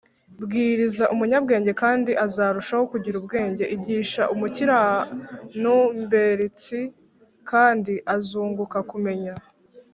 bwiriza umunyabwenge kandi azarushaho kugira ubwenge, igisha umukiranumberstsi kandi azunguka kumenya